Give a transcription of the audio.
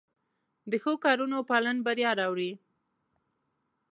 د ښو کارونو پالن بریا راوړي.